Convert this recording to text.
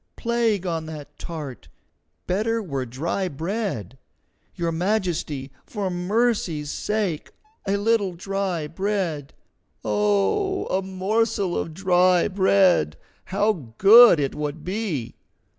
Plague on that tart! Better were dry bread. Your Majesty, for mercy's sake, a little dry bread! Oh, a morsel of dry bread, how good it would be!"